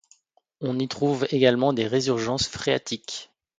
On y trouve également des résurgences phréatiques.